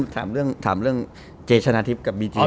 ถามเรื่องเจชนะทิพย์กับบีจี